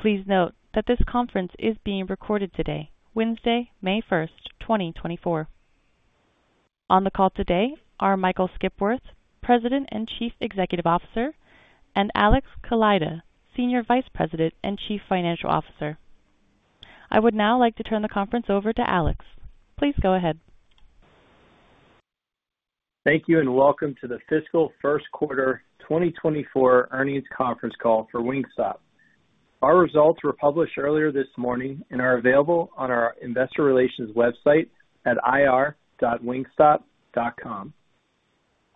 Please note that this conference is being recorded today, Wednesday, May 1st, 2024. On the call today are Michael Skipworth, President and Chief Executive Officer, and Alex Kaleida, Senior Vice President and Chief Financial Officer. I would now like to turn the conference over to Alex. Please go ahead. Thank you, and welcome to the fiscal first quarter 2024 earnings conference call for Wingstop. Our results were published earlier this morning and are available on our investor relations website at ir.wingstop.com.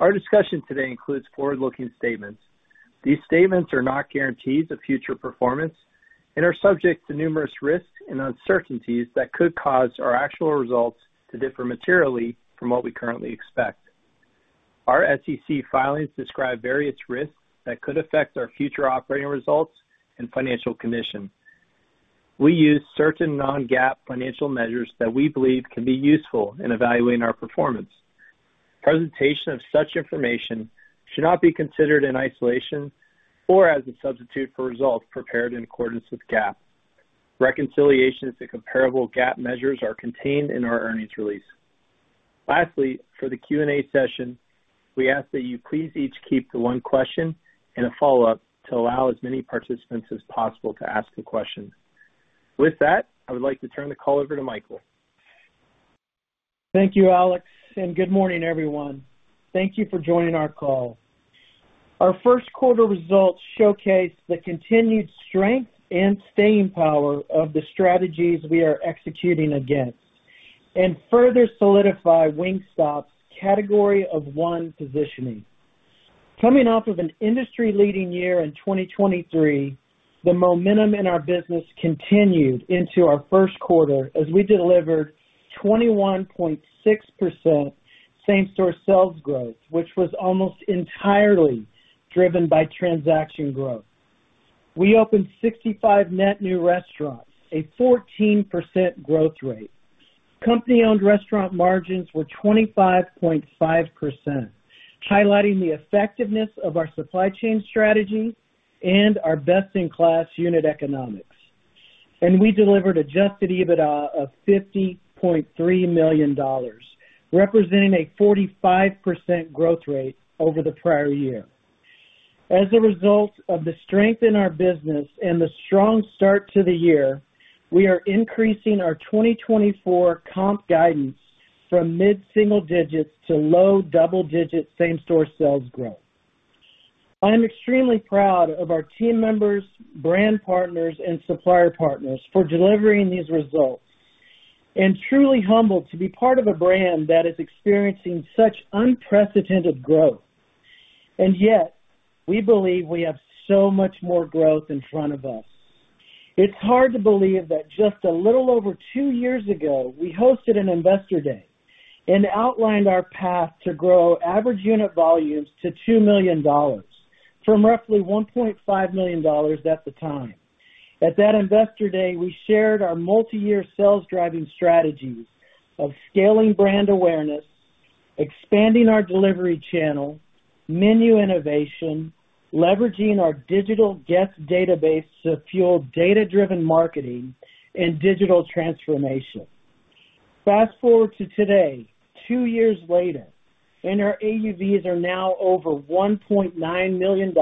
Our discussion today includes forward-looking statements. These statements are not guarantees of future performance and are subject to numerous risks and uncertainties that could cause our actual results to differ materially from what we currently expect. Our SEC filings describe various risks that could affect our future operating results and financial condition. We use certain non-GAAP financial measures that we believe can be useful in evaluating our performance. Presentation of such information should not be considered in isolation or as a substitute for results prepared in accordance with GAAP. Reconciliations to comparable GAAP measures are contained in our earnings release. Lastly, for the Q&A session, we ask that you please each keep to one question and a follow-up to allow as many participants as possible to ask a question. With that, I would like to turn the call over to Michael. Thank you, Alex, and good morning, everyone. Thank you for joining our call. Our first quarter results showcase the continued strength and staying power of the strategies we are executing against and further solidify Wingstop's Category of One positioning. Coming off of an industry-leading year in 2023, the momentum in our business continued into our first quarter as we delivered 21.6% same-store sales growth, which was almost entirely driven by transaction growth. We opened 65 net new restaurants, a 14% growth rate. Company-owned restaurant margins were 25.5%, highlighting the effectiveness of our supply chain strategy and our best-in-class unit economics. We delivered Adjusted EBITDA of $50.3 million, representing a 45% growth rate over the prior year. As a result of the strength in our business and the strong start to the year, we are increasing our 2024 comp guidance from mid-single digits to low double-digit same-store sales growth. I am extremely proud of our team members, brand partners, and supplier partners for delivering these results, and truly humbled to be part of a brand that is experiencing such unprecedented growth. Yet, we believe we have so much more growth in front of us. It's hard to believe that just a little over 2 years ago, we hosted an Investor Day and outlined our path to grow average unit volumes to $2 million from roughly $1.5 million at the time. At that Investor Day, we shared our multiyear sales-driving strategies of scaling brand awareness, expanding our delivery channel, menu innovation, leveraging our digital guest database to fuel data-driven marketing and digital transformation. Fast forward to today, two years later, and our AUVs are now over $1.9 million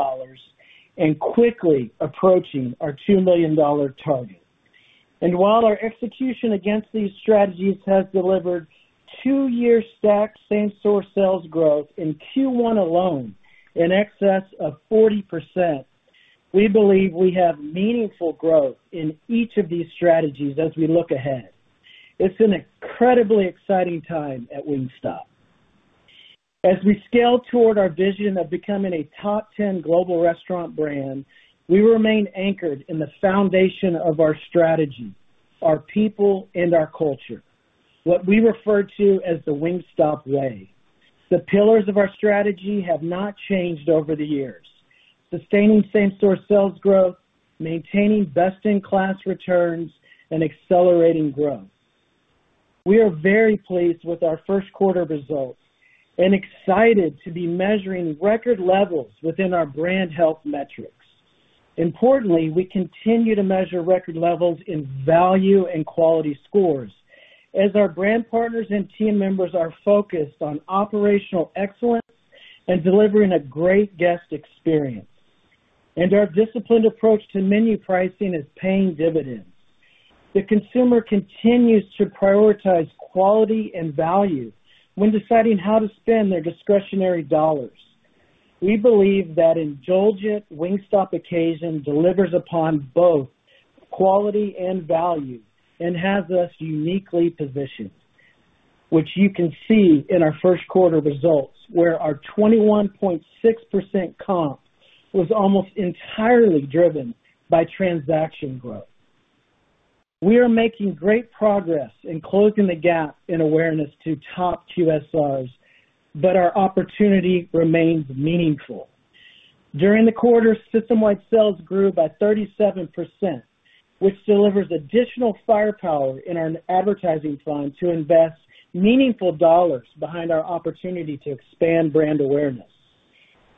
and quickly approaching our $2 million target. And while our execution against these strategies has delivered two-year stacked same-store sales growth in Q1 alone in excess of 40%, we believe we have meaningful growth in each of these strategies as we look ahead. It's an incredibly exciting time at Wingstop. As we scale toward our vision of becoming a top 10 global restaurant brand, we remain anchored in the foundation of our strategy, our people and our culture, what we refer to as the Wingstop Way. The pillars of our strategy have not changed over the years: sustaining same-store sales growth, maintaining best-in-class returns, and accelerating growth. We are very pleased with our first quarter results and excited to be measuring record levels within our brand health metrics. Importantly, we continue to measure record levels in value and quality scores as our brand partners and team members are focused on operational excellence and delivering a great guest experience. Our disciplined approach to menu pricing is paying dividends. The consumer continues to prioritize quality and value when deciding how to spend their discretionary dollars. We believe that indulgent Wingstop occasion delivers upon both quality and value and has us uniquely positioned, which you can see in our first quarter results, where our 21.6% comp was almost entirely driven by transaction growth. We are making great progress in closing the gap in awareness to top QSRs, but our opportunity remains meaningful. During the quarter, system-wide sales grew by 37%, which delivers additional firepower in our advertising fund to invest meaningful dollars behind our opportunity to expand brand awareness.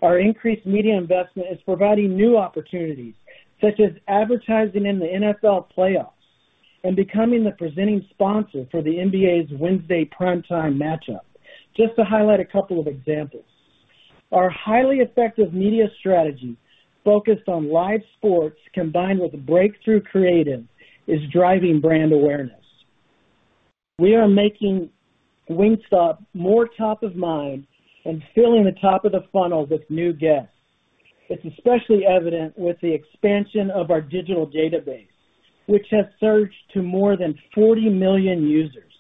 Our increased media investment is providing new opportunities, such as advertising in the NFL playoffs and becoming the presenting sponsor for the NBA's Wednesday primetime matchup, just to highlight a couple of examples. Our highly effective media strategy, focused on live sports, combined with breakthrough creative, is driving brand awareness. We are making Wingstop more top of mind and filling the top of the funnel with new guests. It's especially evident with the expansion of our digital database, which has surged to more than 40 million users.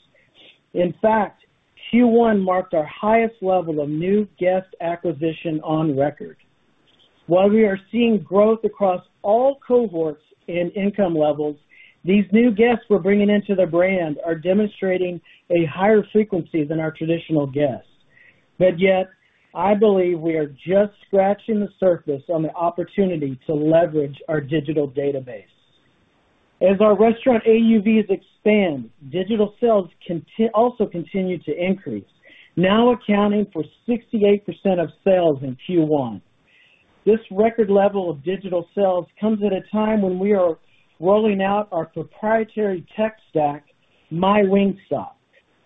In fact, Q1 marked our highest level of new guest acquisition on record. While we are seeing growth across all cohorts and income levels, these new guests we're bringing into the brand are demonstrating a higher frequency than our traditional guests. But yet, I believe we are just scratching the surface on the opportunity to leverage our digital database. As our restaurant AUVs expand, digital sales also continue to increase, now accounting for 68% of sales in Q1. This record level of digital sales comes at a time when we are rolling out our proprietary tech stack, MyWingstop,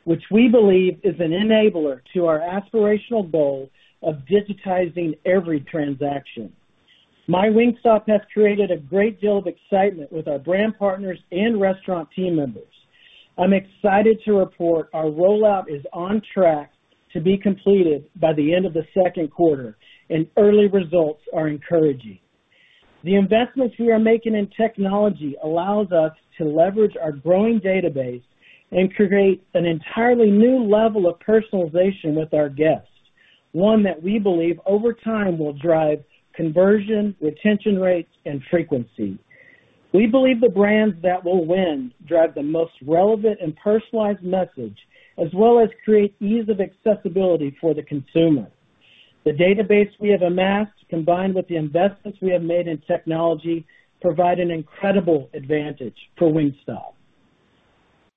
which we believe is an enabler to our aspirational goal of digitizing every transaction. MyWingstop has created a great deal of excitement with our brand partners and restaurant team members. I'm excited to report our rollout is on track to be completed by the end of the second quarter, and early results are encouraging. The investments we are making in technology allow us to leverage our growing database and create an entirely new level of personalization with our guests, one that we believe, over time, will drive conversion, retention rates, and frequency. We believe the brands that will win drive the most relevant and personalized message, as well as create ease of accessibility for the consumer. The database we have amassed, combined with the investments we have made in technology, provide an incredible advantage for Wingstop.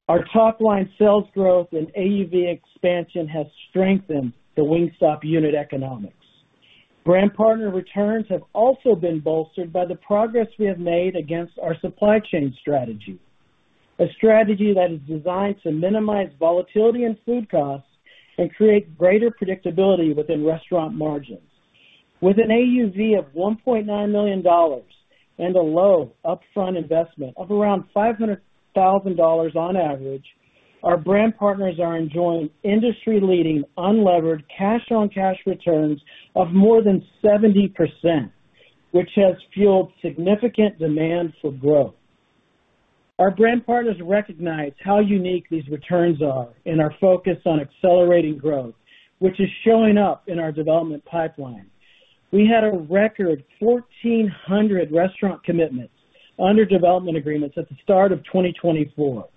Our top line sales growth and AUV expansion have strengthened the Wingstop unit economics. Brand partner returns have also been bolstered by the progress we have made against our supply chain strategy, a strategy that is designed to minimize volatility in food costs and create greater predictability within restaurant margins. With an AUV of $1.9 million and a low upfront investment of around $500,000 on average, our brand partners are enjoying industry-leading, unlevered, cash-on-cash returns of more than 70%, which has fueled significant demand for growth. Our brand partners recognize how unique these returns are and are focused on accelerating growth, which is showing up in our development pipeline. We had a record 1,400 restaurant commitments under development agreements at the start of 2024.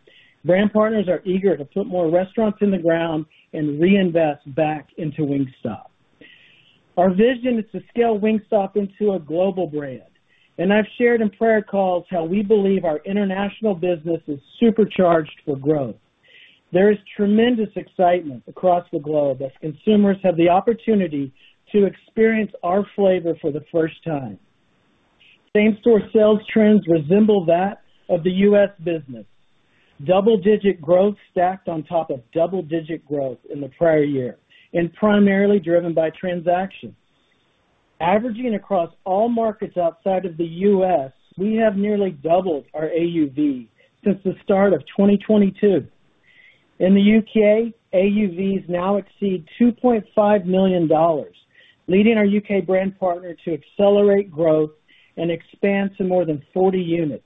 Brand partners are eager to put more restaurants in the ground and reinvest back into Wingstop. Our vision is to scale Wingstop into a global brand, and I've shared in prior calls how we believe our international business is supercharged for growth. There is tremendous excitement across the globe as consumers have the opportunity to experience our flavor for the first time. Same-store sales trends resemble that of the U.S. business. Double-digit growth stacked on top of double-digit growth in the prior year and primarily driven by transactions. Averaging across all markets outside of the U.S., we have nearly doubled our AUV since the start of 2022. In the U.K., AUVs now exceed $2.5 million, leading our U.K. brand partner to accelerate growth and expand to more than 40 units.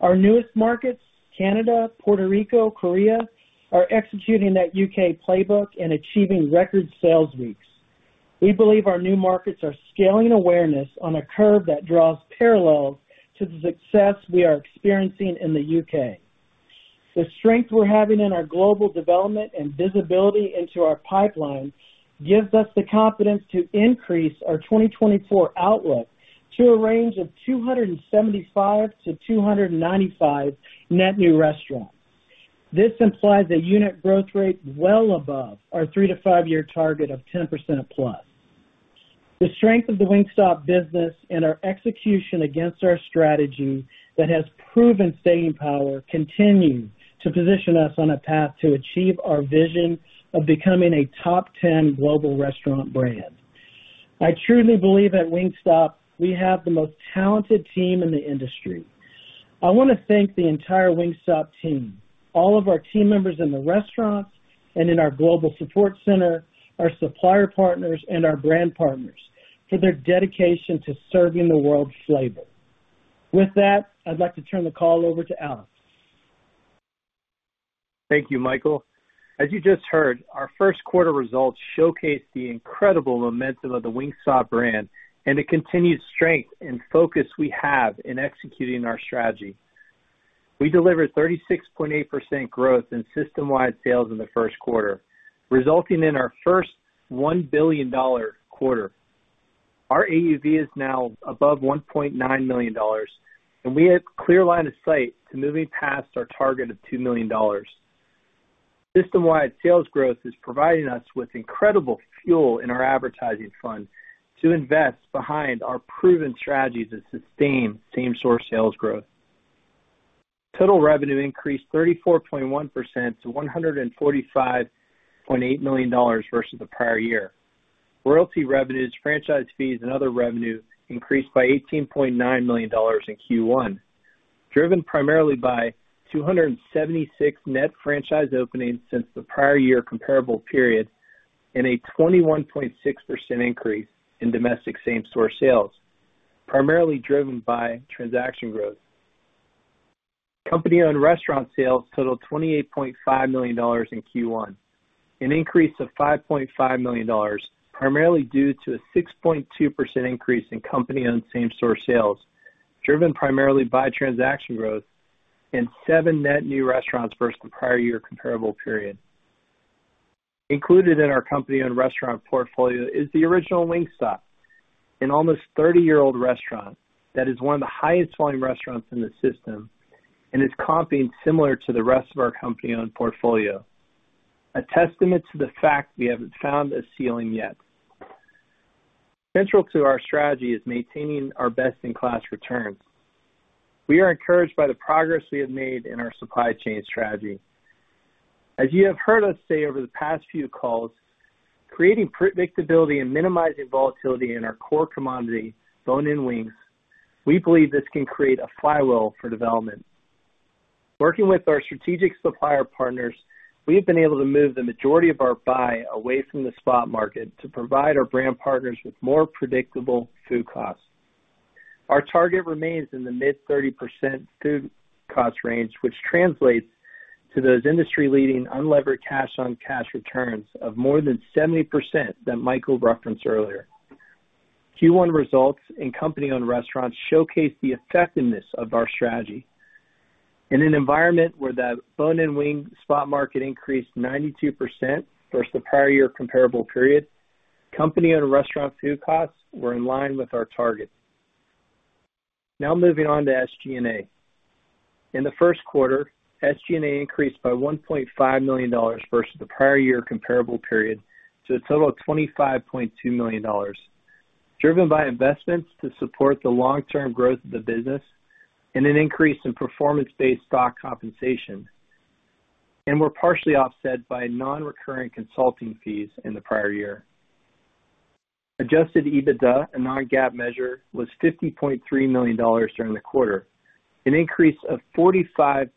Our newest markets, Canada, Puerto Rico, Korea, are executing that U.K. playbook and achieving record sales weeks. We believe our new markets are scaling awareness on a curve that draws parallels to the success we are experiencing in the U.K. The strength we're having in our global development and visibility into our pipeline gives us the confidence to increase our 2024 outlook to a range of 275-295 net new restaurants. This implies a unit growth rate well above our 3- to 5-year target of 10%+. The strength of the Wingstop business and our execution against our strategy that has proven staying power continues to position us on a path to achieve our vision of becoming a top ten global restaurant brand. I truly believe at Wingstop, we have the most talented team in the industry. I want to thank the entire Wingstop team, all of our team members in the restaurants and in our Global Support Center, our supplier partners, and our brand partners for their dedication to serving the world's flavor. With that, I'd like to turn the call over to Alex. Thank you, Michael. As you just heard, our first quarter results showcase the incredible momentum of the Wingstop brand and the continued strength and focus we have in executing our strategy. We delivered 36.8% growth in system-wide sales in the first quarter, resulting in our first $1 billion quarter. Our AUV is now above $1.9 million, and we have clear line of sight to moving past our target of $2 million. System-wide sales growth is providing us with incredible fuel in our advertising fund to invest behind our proven strategies that sustain same-store sales growth. Total revenue increased 34.1% to $145.8 million versus the prior year. Royalty revenues, franchise fees, and other revenues increased by $18.9 million in Q1, driven primarily by 276 net franchise openings since the prior year comparable period, and a 21.6% increase in domestic same-store sales, primarily driven by transaction growth. Company-owned restaurant sales totaled $28.5 million in Q1, an increase of $5.5 million, primarily due to a 6.2% increase in company-owned same-store sales, driven primarily by transaction growth and 7 net new restaurants versus the prior year comparable period. Included in our company-owned restaurant portfolio is the original Wingstop, an almost 30-year-old restaurant that is one of the highest volume restaurants in the system and is comping similar to the rest of our company-owned portfolio, a testament to the fact we haven't found a ceiling yet. Central to our strategy is maintaining our best-in-class returns. We are encouraged by the progress we have made in our supply chain strategy. As you have heard us say over the past few calls, creating predictability and minimizing volatility in our core commodity, bone-in wings, we believe this can create a flywheel for development. Working with our strategic supplier partners, we have been able to move the majority of our buy away from the spot market to provide our brand partners with more predictable food costs. Our target remains in the mid-30% food cost range, which translates to those industry-leading unlevered cash-on-cash returns of more than 70% that Michael referenced earlier. Q1 results in company-owned restaurants showcase the effectiveness of our strategy. In an environment where the bone-in wing spot market increased 92% versus the prior year comparable period, company-owned restaurant food costs were in line with our target. Now moving on to SG&A. In the first quarter, SG&A increased by $1.5 million versus the prior year comparable period to a total of $25.2 million, driven by investments to support the long-term growth of the business and an increase in performance-based stock compensation, and were partially offset by non-recurring consulting fees in the prior year. Adjusted EBITDA, a non-GAAP measure, was $50.3 million during the quarter, an increase of 45.3%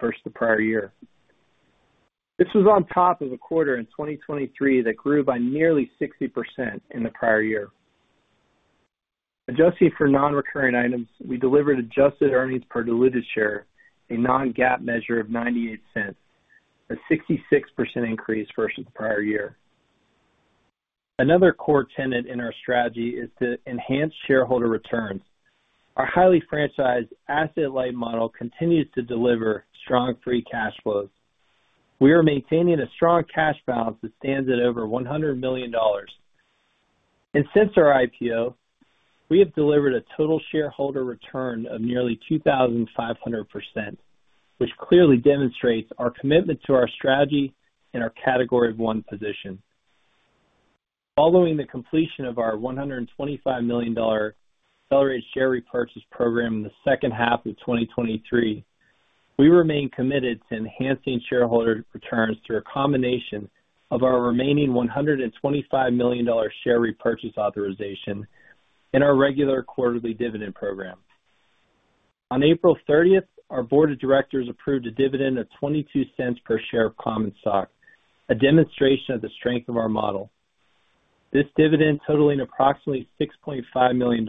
versus the prior year. This was on top of a quarter in 2023 that grew by nearly 60% in the prior year. Adjusting for non-recurring items, we delivered adjusted earnings per diluted share, a non-GAAP measure of $0.98, a 66% increase versus the prior year. Another core tenet in our strategy is to enhance shareholder returns. Our highly franchised asset-light model continues to deliver strong free cash flow. We are maintaining a strong cash balance that stands at over $100 million. And since our IPO, we have delivered a total shareholder return of nearly 2,500%, which clearly demonstrates our commitment to our strategy and our Category One position. Following the completion of our $125 million accelerated share repurchase program in the second half of 2023, we remain committed to enhancing shareholder returns through a combination of our remaining $125 million share repurchase authorization and our regular quarterly dividend program. On April 30th, our board of directors approved a dividend of $0.22 per share of common stock, a demonstration of the strength of our model. This dividend, totaling approximately $6.5 million,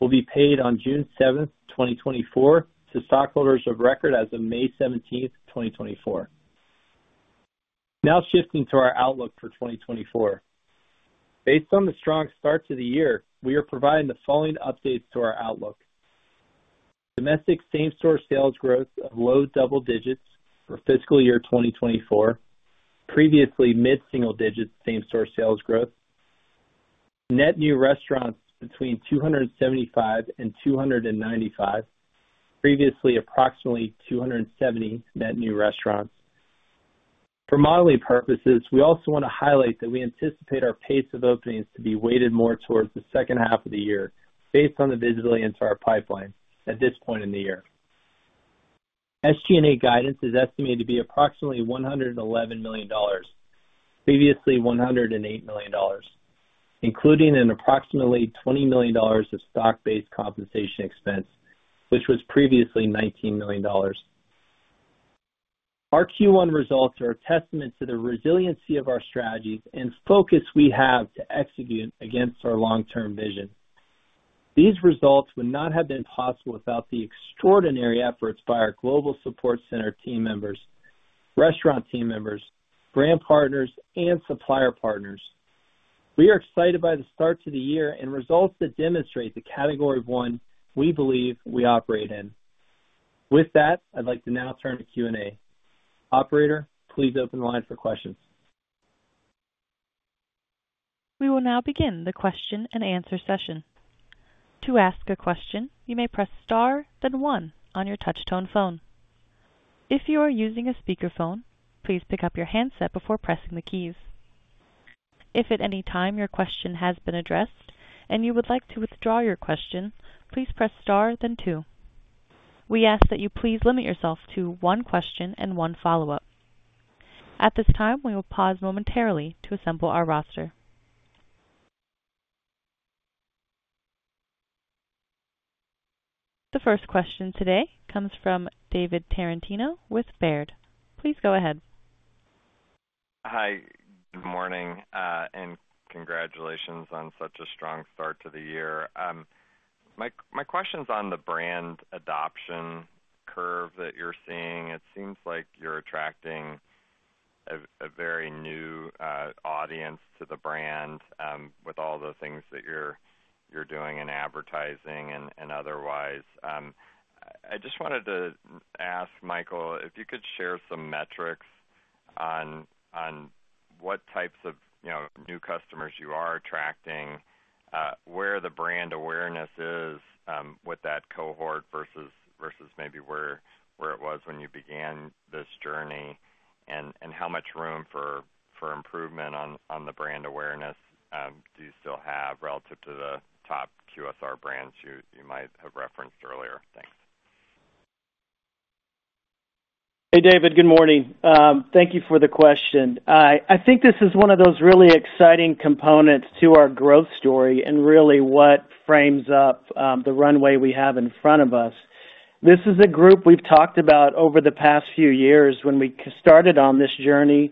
will be paid on June 7th, 2024, to stockholders of record as of May 17th, 2024. Now shifting to our outlook for 2024. Based on the strong start to the year, we are providing the following updates to our outlook: Domestic same-store sales growth of low double digits for fiscal year 2024, previously mid-single digits same-store sales growth. Net new restaurants between 275 and 295, previously approximately 270 net new restaurants. For modeling purposes, we also want to highlight that we anticipate our pace of openings to be weighted more towards the second half of the year based on the visibility into our pipeline at this point in the year. SG&A guidance is estimated to be approximately $111 million, previously $108 million, including an approximately $20 million of stock-based compensation expense, which was previously $19 million. Our Q1 results are a testament to the resiliency of our strategies and focus we have to execute against our long-term vision. These results would not have been possible without the extraordinary efforts by our Global Support Center team members, restaurant team members, brand partners, and supplier partners. We are excited by the start to the year and results that demonstrate the Category One we believe we operate in. With that, I'd like to now turn to Q&A. Operator, please open the line for questions. We will now begin the question-and-answer session. To ask a question, you may press star, then one on your touchtone phone. If you are using a speakerphone, please pick up your handset before pressing the keys. If at any time your question has been addressed and you would like to withdraw your question, please press star then two. We ask that you please limit yourself to one question and one follow-up. At this time, we will pause momentarily to assemble our roster. The first question today comes from David Tarantino with Baird. Please go ahead. Hi, good morning, and congratulations on such a strong start to the year. My, my question's on the brand adoption curve that you're seeing. It seems like you're attracting a very new audience to the brand with all the things that you're doing in advertising and otherwise. I just wanted to ask Michael, if you could share some metrics on what types of, you know, new customers you are attracting, where the brand awareness is with that cohort versus maybe where it was when you began this journey, and how much room for improvement on the brand awareness do you still have relative to the top QSR brands you might have referenced earlier? Thanks. Hey, David. Good morning. Thank you for the question. I think this is one of those really exciting components to our growth story and really what frames up the runway we have in front of us. This is a group we've talked about over the past few years. When we started on this journey,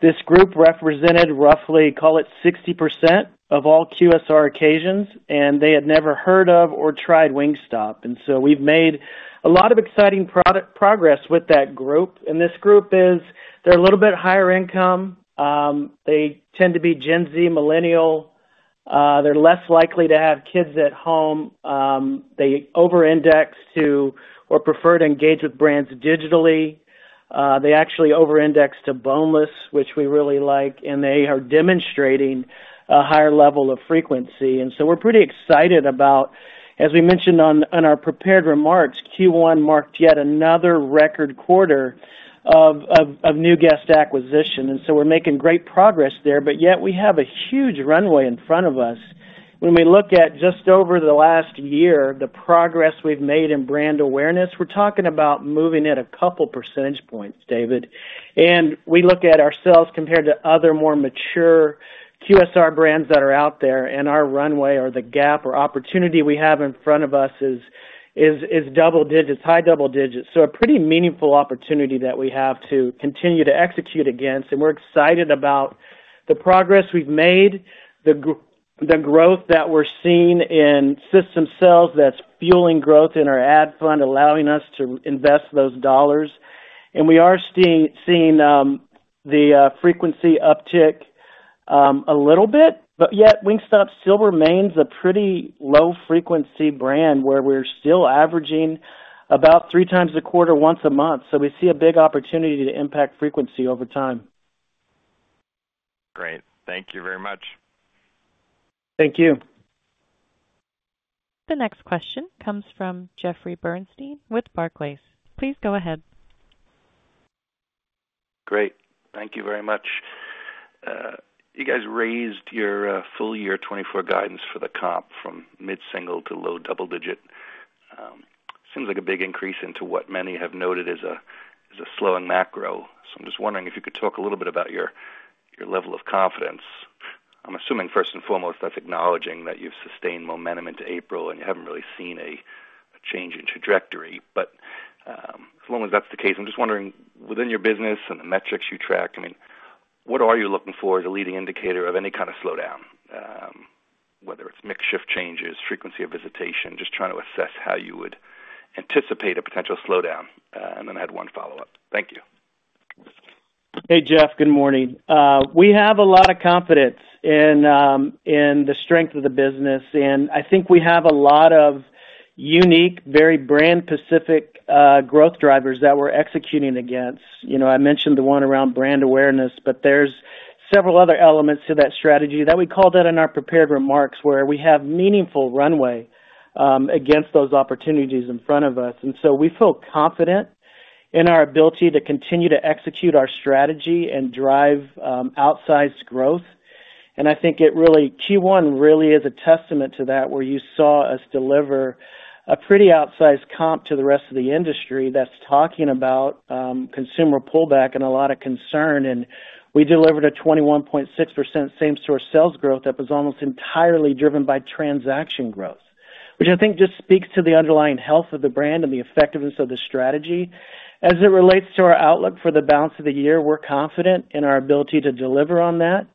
this group represented roughly, call it 60% of all QSR occasions, and they had never heard of or tried Wingstop. And so we've made a lot of exciting product progress with that group. And this group is, they're a little bit higher income. They tend to be Gen Z, millennial. They're less likely to have kids at home. They over-index to or prefer to engage with brands digitally. They actually over-index to boneless, which we really like, and they are demonstrating a higher level of frequency. And so we're pretty excited about, as we mentioned on our prepared remarks, Q1 marked yet another record quarter of new guest acquisition, and so we're making great progress there, but yet we have a huge runway in front of us. When we look at just over the last year, the progress we've made in brand awareness, we're talking about moving at a couple percentage points, David. And we look at ourselves compared to other, more mature QSR brands that are out there, and our runway or the gap or opportunity we have in front of us is double digits, high double digits. So a pretty meaningful opportunity that we have to continue to execute against. And we're excited about the progress we've made, the growth that we're seeing in system sales that's fueling growth in our ad fund, allowing us to invest those dollars. And we are seeing the frequency uptick a little bit, but yet Wingstop still remains a pretty low-frequency brand, where we're still averaging about three times a quarter, once a month. So we see a big opportunity to impact frequency over time. Great. Thank you very much. Thank you. The next question comes from Jeffrey Bernstein with Barclays. Please go ahead. Great. Thank you very much. You guys raised your full year 2024 guidance for the comp from mid-single to low double-digit. Seems like a big increase into what many have noted as a slowing macro. So I'm just wondering if you could talk a little bit about your level of confidence. I'm assuming, first and foremost, that's acknowledging that you've sustained momentum into April, and you haven't really seen a change in trajectory. But so long as that's the case, I'm just wondering, within your business and the metrics you track, I mean, what are you looking for as a leading indicator of any kind of slowdown? Whether it's mix shift changes, frequency of visitation, just trying to assess how you would anticipate a potential slowdown. And then I had one follow-up. Thank you. Hey, Jeff. Good morning. We have a lot of confidence in the strength of the business, and I think we have a lot of unique, very brand-specific growth drivers that we're executing against. You know, I mentioned the one around brand awareness, but there's several other elements to that strategy that we called out in our prepared remarks, where we have meaningful runway against those opportunities in front of us. And so we feel confident in our ability to continue to execute our strategy and drive outsized growth. And I think Q1 really is a testament to that, where you saw us deliver a pretty outsized comp to the rest of the industry that's talking about consumer pullback and a lot of concern. We delivered a 21.6% same-store sales growth that was almost entirely driven by transaction growth, which I think just speaks to the underlying health of the brand and the effectiveness of the strategy. As it relates to our outlook for the balance of the year, we're confident in our ability to deliver on that.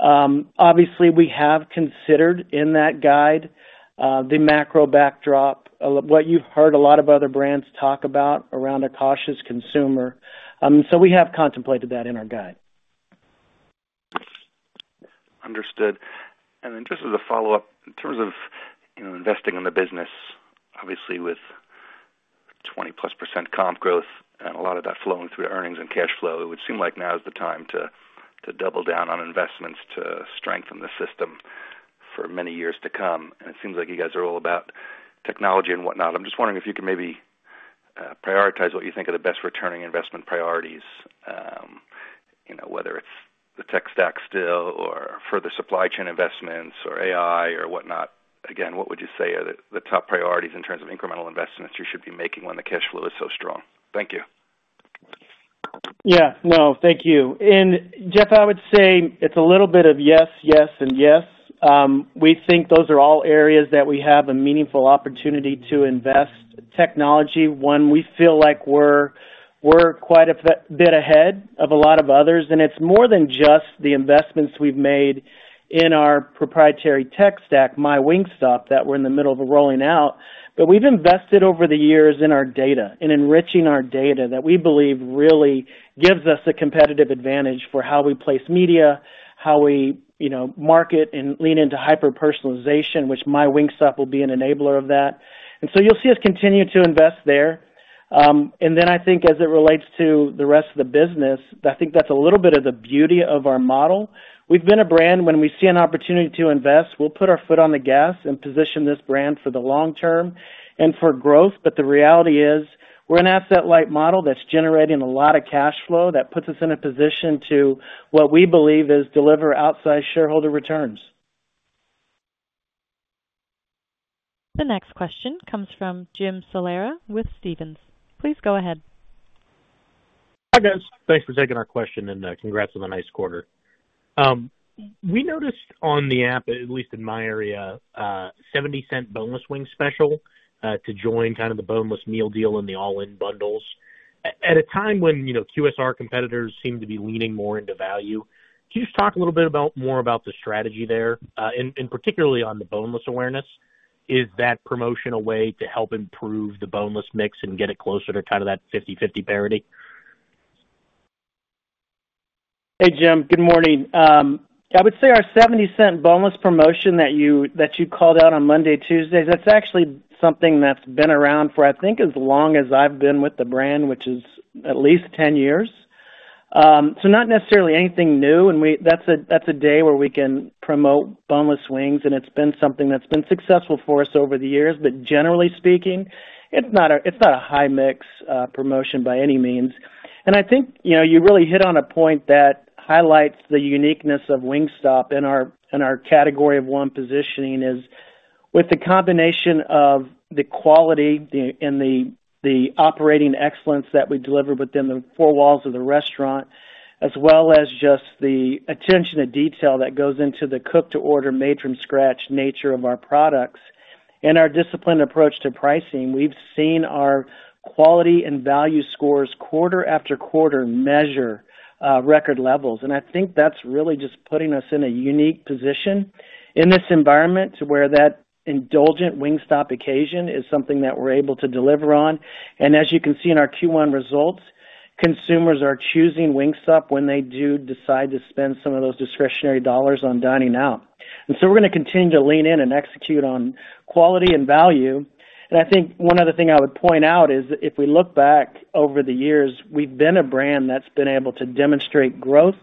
Obviously, we have considered in that guide the macro backdrop, what you've heard a lot of other brands talk about around a cautious consumer. So we have contemplated that in our guide. Understood. And then just as a follow-up, in terms of, you know, investing in the business, obviously with 20%+ comp growth and a lot of that flowing through earnings and cash flow, it would seem like now is the time to, to double down on investments to strengthen the system for many years to come. And it seems like you guys are all about technology and whatnot. I'm just wondering if you could maybe prioritize what you think are the best returning investment priorities, you know, whether it's the tech stack still or further supply chain investments or AI or whatnot. Again, what would you say are the, the top priorities in terms of incremental investments you should be making when the cash flow is so strong? Thank you. Yeah, no, thank you. And Jeff, I would say it's a little bit of yes, yes, and yes. We think those are all areas that we have a meaningful opportunity to invest. Technology, one, we feel like we're quite a bit ahead of a lot of others, and it's more than just the investments we've made in our proprietary tech stack, MyWingstop, that we're in the middle of rolling out. But we've invested over the years in our data, in enriching our data that we believe really gives us a competitive advantage for how we place media, how we, you know, market and lean into hyper-personalization, which MyWingstop will be an enabler of that. And so you'll see us continue to invest there. And then I think as it relates to the rest of the business, I think that's a little bit of the beauty of our model. We've been a brand, when we see an opportunity to invest, we'll put our foot on the gas and position this brand for the long term and for growth. But the reality is, we're an asset-light model that's generating a lot of cash flow. That puts us in a position to, what we believe is deliver outsized shareholder returns. The next question comes from Jim Salera with Stephens. Please go ahead. Hi, guys. Thanks for taking our question, and congrats on the nice quarter. We noticed on the app, at least in my area, a $0.70 boneless wing special to join kind of the Boneless Meal Deal and the All-In Bundles. At a time when, you know, QSR competitors seem to be leaning more into value, can you just talk a little bit more about the strategy there? And particularly on the boneless awareness, is that promotional way to help improve the boneless mix and get it closer to kind of that 50/50 parity? Hey, Jim, good morning. I would say our $0.70 boneless promotion that you, that you called out on Monday, Tuesday, that's actually something that's been around for, I think, as long as I've been with the brand, which is at least 10 years. So not necessarily anything new, and we-- that's a, that's a day where we can promote boneless wings, and it's been something that's been successful for us over the years. But generally speaking, it's not a, it's not a high mix promotion by any means. And I think, you know, you really hit on a point that highlights the uniqueness of Wingstop in our Category of One positioning is with the combination of the quality and the operating excellence that we deliver within the four walls of the restaurant, as well as just the attention to detail that goes into the cook-to-order made-from-scratch nature of our products and our disciplined approach to pricing. We've seen our quality and value scores quarter after quarter measure record levels. And I think that's really just putting us in a unique position in this environment to where that indulgent Wingstop occasion is something that we're able to deliver on. And as you can see in our Q1 results, consumers are choosing Wingstop when they do decide to spend some of those discretionary dollars on dining out. And so we're going to continue to lean in and execute on quality and value. And I think one other thing I would point out is, if we look back over the years, we've been a brand that's been able to demonstrate growth,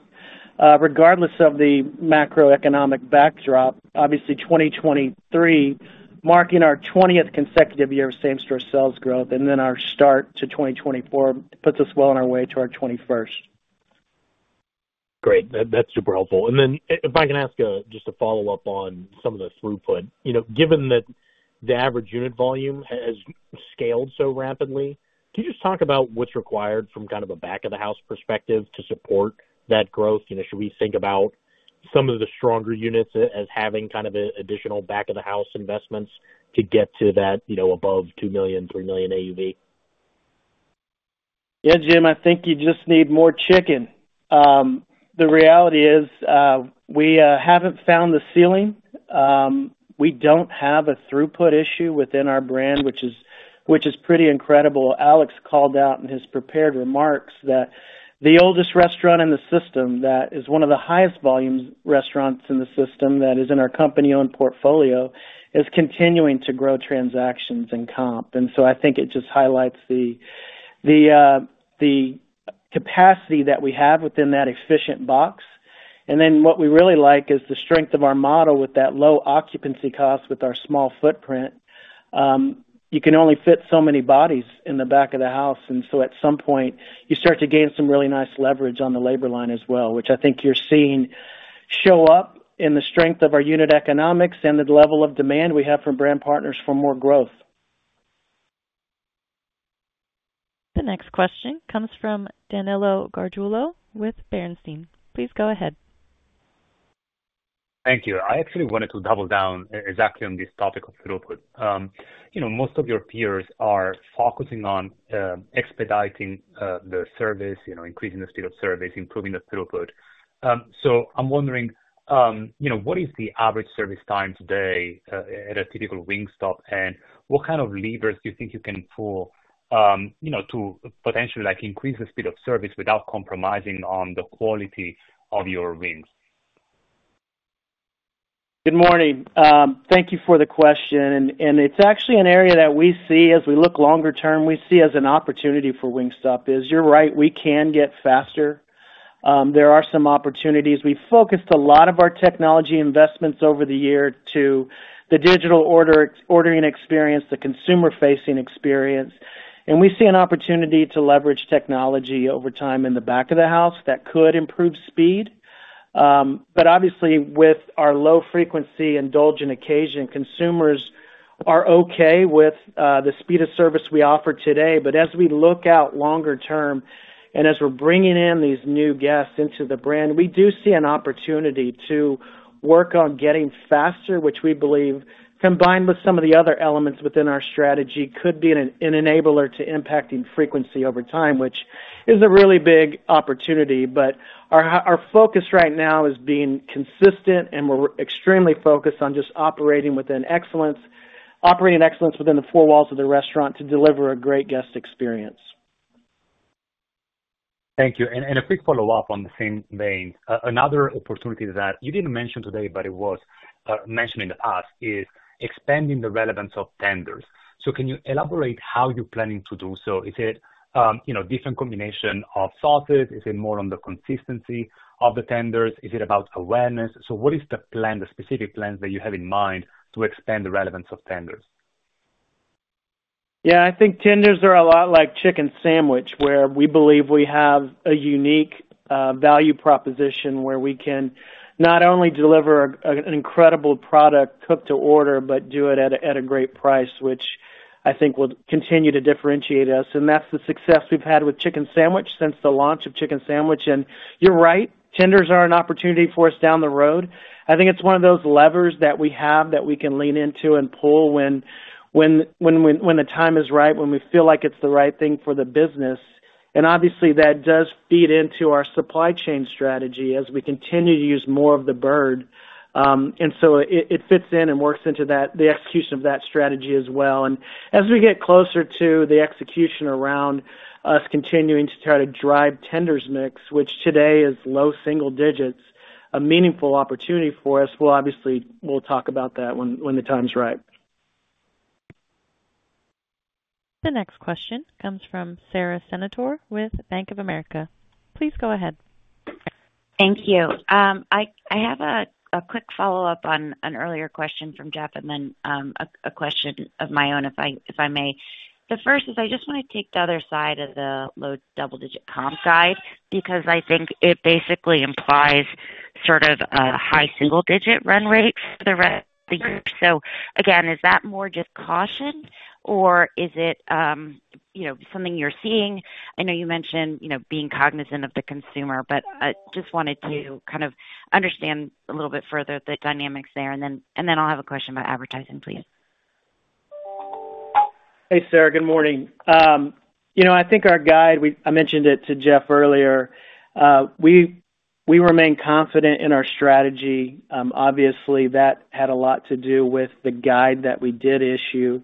regardless of the macroeconomic backdrop. Obviously, 2023 marking our 20th consecutive year of same-store sales growth, and then our start to 2024 puts us well on our way to our 21st. Great. That, that's super helpful. And then if I can ask, just a follow-up on some of the throughput. You know, given that the average unit volume has scaled so rapidly, can you just talk about what's required from kind of a back-of-the-house perspective to support that growth? You know, should we think about some of the stronger units as having kind of additional back-of-the-house investments to get to that, you know, above $2 million, $3 million AUV? Yeah, Jim, I think you just need more chicken. The reality is, we haven't found the ceiling. We don't have a throughput issue within our brand, which is pretty incredible. Alex called out in his prepared remarks that the oldest restaurant in the system, that is one of the highest volume restaurants in the system, that is in our company-owned portfolio, is continuing to grow transactions and comp. And so I think it just highlights the capacity that we have within that efficient box. And then what we really like is the strength of our model with that low occupancy cost, with our small footprint. You can only fit so many bodies in the back of the house, and so at some point, you start to gain some really nice leverage on the labor line as well, which I think you're seeing show up in the strength of our unit economics and the level of demand we have from brand partners for more growth. The next question comes from Danilo Gargiulo with Bernstein. Please go ahead. Thank you. I actually wanted to double down exactly on this topic of throughput. You know, most of your peers are focusing on, expediting, the service, you know, increasing the speed of service, improving the throughput. So I'm wondering, you know, what is the average service time today, at a typical Wingstop? And what kind of levers do you think you can pull, you know, to potentially, like, increase the speed of service without compromising on the quality of your wings? Good morning. Thank you for the question. And it's actually an area that we see as we look longer term, we see as an opportunity for Wingstop, is you're right, we can get faster. There are some opportunities. We focused a lot of our technology investments over the year to the digital ordering experience, the consumer-facing experience. And we see an opportunity to leverage technology over time in the back of the house that could improve speed. But obviously, with our low frequency indulgent occasion, consumers are okay with the speed of service we offer today. But as we look out longer term, and as we're bringing in these new guests into the brand, we do see an opportunity to work on getting faster, which we believe, combined with some of the other elements within our strategy, could be an enabler to impacting frequency over time, which is a really big opportunity. But our focus right now is being consistent, and we're extremely focused on just operating within excellence, operating excellence within the four walls of the restaurant to deliver a great guest experience. Thank you. A quick follow-up in the same vein. Another opportunity that you didn't mention today, but it was mentioned to us, is expanding the relevance of tenders. So can you elaborate how you're planning to do so? Is it, you know, different combination of sauces? Is it more on the consistency of the tenders? Is it about awareness? So what is the plan, the specific plans that you have in mind to expand the relevance of tenders? Yeah, I think tenders are a lot like chicken sandwich, where we believe we have a unique value proposition, where we can not only deliver an incredible product cooked to order, but do it at a great price, which I think will continue to differentiate us, and that's the success we've had with chicken sandwich since the launch of chicken sandwich. And you're right, tenders are an opportunity for us down the road. I think it's one of those levers that we have that we can lean into and pull when the time is right, when we feel like it's the right thing for the business. And obviously, that does feed into our supply chain strategy as we continue to use more of the bird. And so it fits in and works into that, the execution of that strategy as well. And as we get closer to the execution around us continuing to try to drive tenders mix, which today is low single digits, a meaningful opportunity for us, we'll obviously talk about that when the time is right. The next question comes from Sara Senatore with Bank of America. Please go ahead. Thank you. I have a quick follow-up on an earlier question from Jeff, and then a question of my own, if I may. The first is, I just want to take the other side of the low double-digit comp guide, because I think it basically implies sort of a high single digit run rate for the rest of the group. So again, is that more just caution or is it, you know, something you're seeing? I know you mentioned, you know, being cognizant of the consumer, but I just wanted to kind of understand a little bit further the dynamics there, and then I'll have a question about advertising, please. Hey, Sara, good morning. You know, I think our guide, I mentioned it to Jeff earlier, we remain confident in our strategy. Obviously, that had a lot to do with the guide that we did issue. You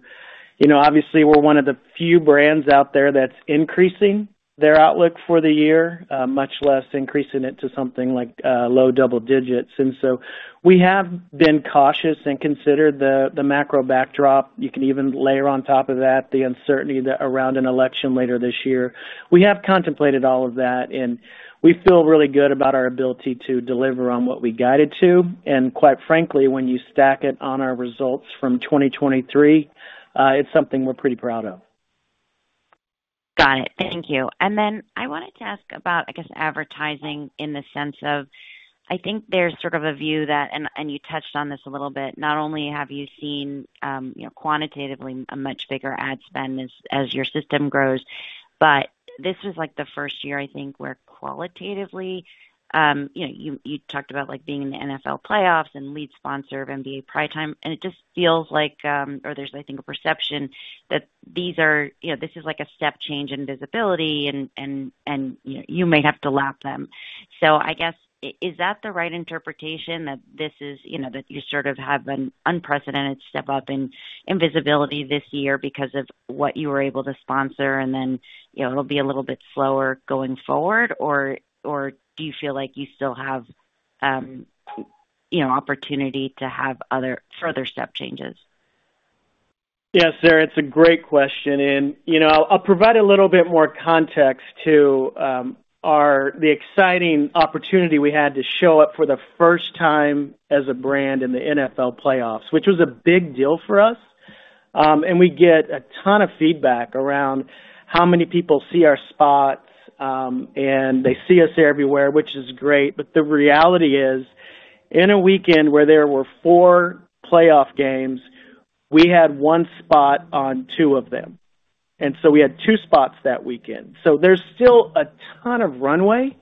know, obviously, we're one of the few brands out there that's increasing their outlook for the year, much less increasing it to something like low double digits. So we have been cautious and considered the macro backdrop. You can even layer on top of that the uncertainty around an election later this year. We have contemplated all of that, and we feel really good about our ability to deliver on what we guided to. And quite frankly, when you stack it on our results from 2023, it's something we're pretty proud of. Got it. Thank you. And then I wanted to ask about, I guess, advertising in the sense of, I think there's sort of a view that, and you touched on this a little bit, not only have you seen, you know, quantitatively a much bigger ad spend as your system grows, but this is like the first year, I think, where qualitatively, you know, you talked about like being in the NFL playoffs and lead sponsor of NBA Primetime, and it just feels like, or there's, I think, a perception that these are. You know, this is like a step change in visibility and, you know, you may have to lap them. So I guess, is that the right interpretation, that this is, you know, that you sort of have an unprecedented step up in visibility this year because of what you were able to sponsor, and then, you know, it'll be a little bit slower going forward? Or do you feel like you still have, you know, opportunity to have other further step changes? Yeah, Sara, it's a great question, and you know, I'll provide a little bit more context to the exciting opportunity we had to show up for the first time as a brand in the NFL playoffs, which was a big deal for us. And we get a ton of feedback around how many people see our spots, and they see us everywhere, which is great. But the reality is, in a weekend where there were four playoff games, we had one spot on two of them, and so we had two spots that weekend. So there's still a ton of runway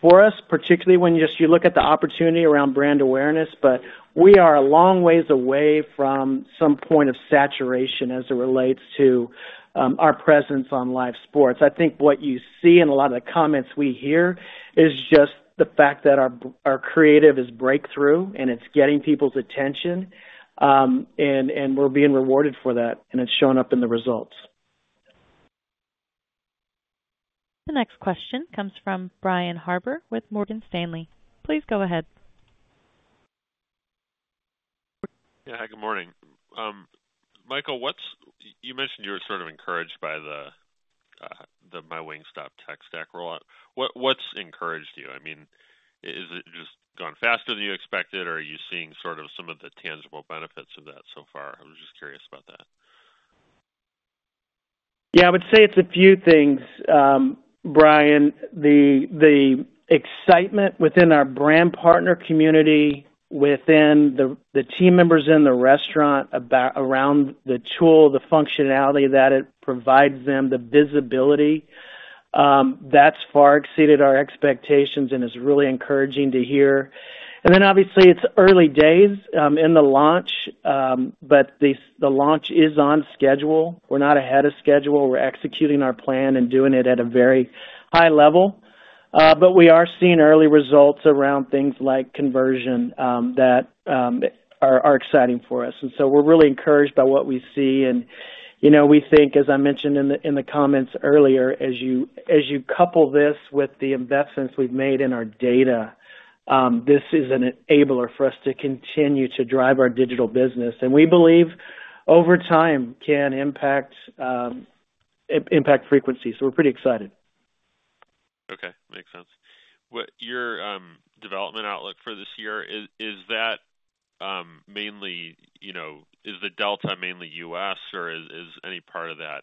for us, particularly when just you look at the opportunity around brand awareness. But we are a long ways away from some point of saturation as it relates to our presence on live sports. I think what you see in a lot of the comments we hear is just the fact that our creative is breakthrough, and it's getting people's attention, and we're being rewarded for that, and it's showing up in the results. The next question comes from Brian Harbour with Morgan Stanley. Please go ahead. Yeah, good morning. Michael, what's. You mentioned you were sort of encouraged by the MyWingstop tech stack rollout. What's encouraged you? I mean, is it just gone faster than you expected, or are you seeing sort of some of the tangible benefits of that so far? I was just curious about that. Yeah, I would say it's a few things, Brian. The excitement within our brand partner community, within the team members in the restaurant, about the tool, the functionality that it provides them, the visibility. That's far exceeded our expectations and is really encouraging to hear. And then obviously, it's early days in the launch, but the launch is on schedule. We're not ahead of schedule. We're executing our plan and doing it at a very high level. But we are seeing early results around things like conversion that are exciting for us. And so we're really encouraged by what we see. You know, we think, as I mentioned in the comments earlier, as you couple this with the investments we've made in our data, this is an enabler for us to continue to drive our digital business, and we believe over time, can impact impact frequency. So we're pretty excited. Okay, makes sense. What's your development outlook for this year? Is that mainly, you know, the delta mainly U.S. or is any part of that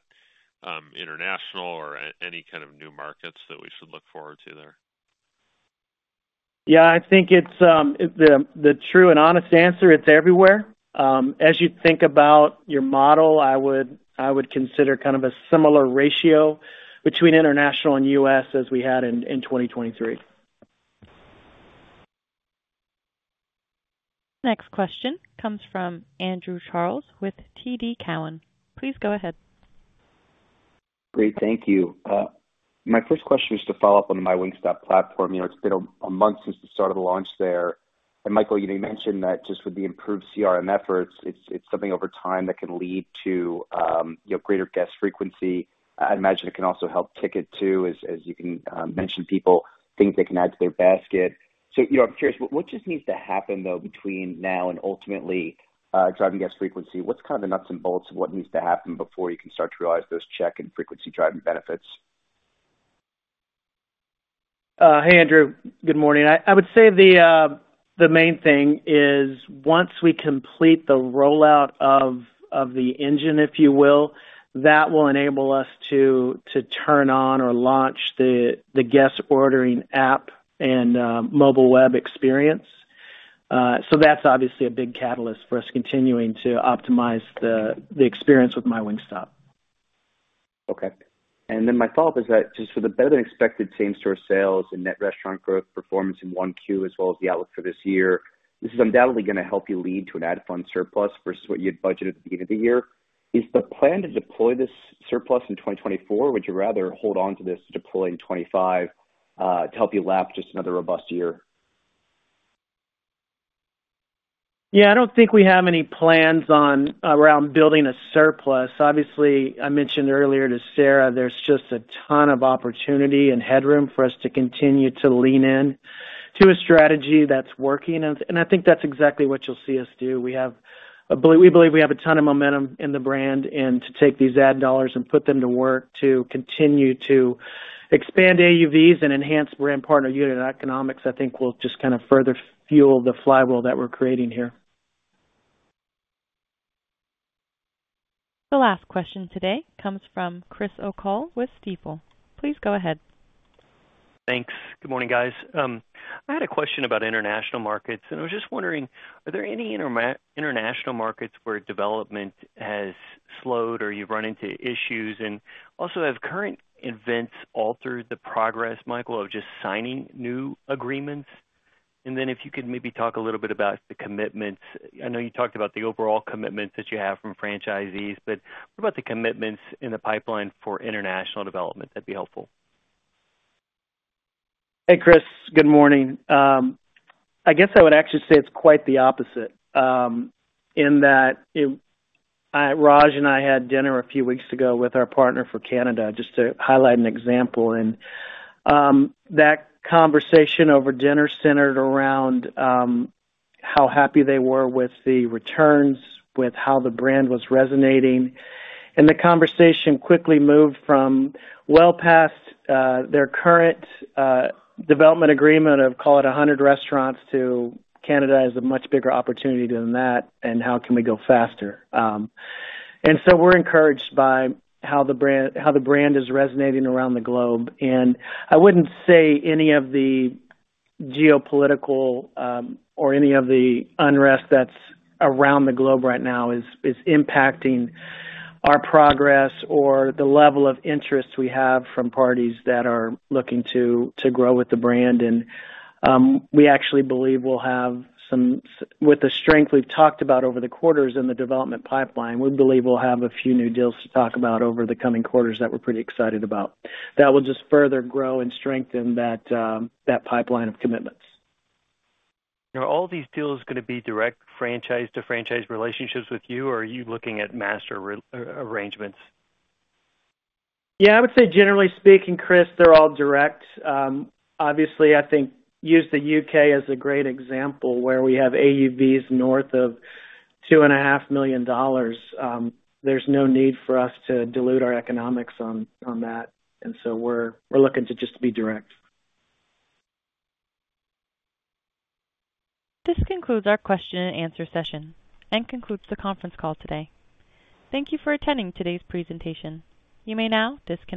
international or any kind of new markets that we should look forward to there? Yeah, I think it's the true and honest answer, it's everywhere. As you think about your model, I would consider kind of a similar ratio between international and U.S. as we had in 2023. Next question comes from Andrew Charles with TD Cowen. Please go ahead. Great, thank you. My first question is to follow up on the MyWingstop platform. You know, it's been a month since the start of the launch there. And Michael, you mentioned that just with the improved CRM efforts, it's something over time that can lead to, you know, greater guest frequency. I imagine it can also help ticket too, as you can mention people, things they can add to their basket. So, you know, I'm curious, what just needs to happen, though, between now and ultimately, driving guest frequency? What's kind of the nuts and bolts of what needs to happen before you can start to realize those check and frequency driving benefits? Hey, Andrew. Good morning. I would say the main thing is once we complete the rollout of the engine, if you will, that will enable us to turn on or launch the guest ordering app and mobile web experience. So that's obviously a big catalyst for us continuing to optimize the experience with MyWingstop. Okay. And then my follow-up is that just for the better-than-expected same-store sales and net restaurant growth performance in Q1, as well as the outlook for this year, this is undoubtedly gonna help you lead to an ad fund surplus versus what you had budgeted at the beginning of the year. Is the plan to deploy this surplus in 2024, would you rather hold on to this to deploy in 2025, to help you lap just another robust year? Yeah, I don't think we have any plans around building a surplus. Obviously, I mentioned earlier to Sara, there's just a ton of opportunity and headroom for us to continue to lean in to a strategy that's working, and I think that's exactly what you'll see us do. We believe we have a ton of momentum in the brand and to take these ad dollars and put them to work to continue to expand AUVs and enhance brand partner unit economics, I think will just kind of further fuel the flywheel that we're creating here. The last question today comes from Chris O'Cull with Stifel. Please go ahead. Thanks. Good morning, guys. I had a question about international markets, and I was just wondering, are there any international markets where development has slowed or you've run into issues? And also, have current events altered the progress, Michael, of just signing new agreements? And then if you could maybe talk a little bit about the commitments. I know you talked about the overall commitments that you have from franchisees, but what about the commitments in the pipeline for international development? That'd be helpful. Hey, Chris, good morning. I guess I would actually say it's quite the opposite, in that it. Raj and I had dinner a few weeks ago with our partner for Canada, just to highlight an example. That conversation over dinner centered around how happy they were with the returns, with how the brand was resonating. The conversation quickly moved from well past their current development agreement of, call it 100 restaurants, to Canada has a much bigger opportunity than that, and how can we go faster? So we're encouraged by how the brand, how the brand is resonating around the globe. I wouldn't say any of the geopolitical, or any of the unrest that's around the globe right now is impacting our progress or the level of interest we have from parties that are looking to grow with the brand. We actually believe with the strength we've talked about over the quarters in the development pipeline, we believe we'll have a few new deals to talk about over the coming quarters that we're pretty excited about. That will just further grow and strengthen that pipeline of commitments. Are all these deals gonna be direct franchise-to-franchise relationships with you, or are you looking at master arrangements? Yeah, I would say generally speaking, Chris, they're all direct. Obviously, I think use the U.K. as a great example, where we have AUVs north of $2.5 million. There's no need for us to dilute our economics on, on that, and so we're, we're looking to just be direct. This concludes our question and answer session and concludes the conference call today. Thank you for attending today's presentation. You may now disconnect.